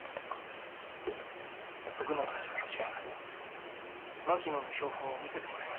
徳永助教授槙野の標本を見せてもらいました。